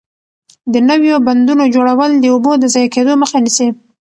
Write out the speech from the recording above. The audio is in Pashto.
د نويو بندونو جوړول د اوبو د ضایع کېدو مخه نیسي.